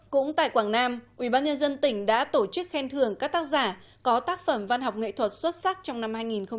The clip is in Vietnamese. cũng tại quảng nam ubnd tỉnh đã tổ chức khen thưởng các tác giả có tác phẩm văn học nghệ thuật xuất sắc trong năm hai nghìn một mươi chín